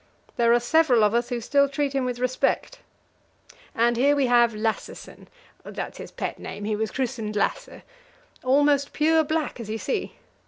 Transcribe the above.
There are several of us who still treat him with respect. And here we have Lassesen that's his pet name; he was christened Lasse almost pure black, as you see.